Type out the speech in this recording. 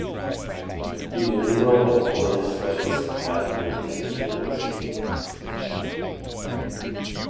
The innumerable cornice lights had been extinguished.